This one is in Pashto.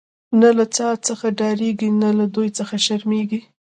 نه له تا څخه ډاریږی، نه له دوی څخه شرمیږی